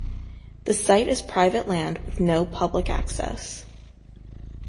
The site is private land with no public access.